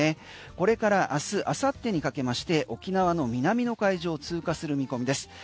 これからあす明後日にかけまして沖縄の南の海上を通過する見込みです。